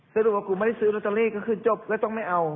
สรุปว่ากูไม่ได้ซื้อลอตเตอรี่ก็คือจบก็ต้องไม่เอา